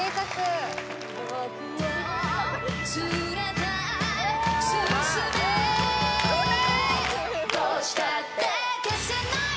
僕を連れて進めうめ！